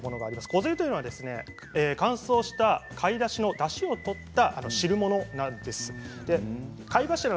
こづゆというのは乾燥した貝柱のだしを取った汁物なんです。